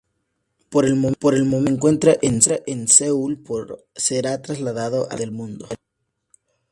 Por el momento se encuentra en Seúl pero será trasladado alrededor del mundo.